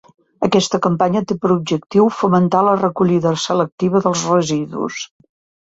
Aquesta campanya té per objectiu fomentar la recollida selectiva dels residus.